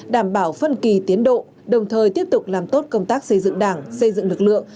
đảm bảo phân kỳ tiến độ đồng thời tiếp tục làm tốt công tác xây dựng đảng xây dựng lực lượng